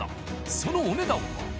そのお値段は？